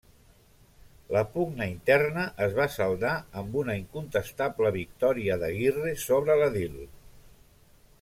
La pugna interna es va saldar amb una incontestable victòria d'Aguirre sobre l'edil.